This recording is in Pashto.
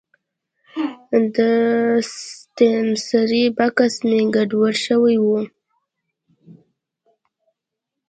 د ستنسرۍ بکس مې ګډوډ شوی و.